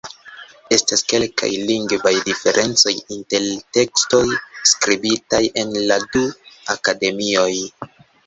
Estas kelkaj lingvaj diferencoj inter tekstoj skribitaj en la du akademioj.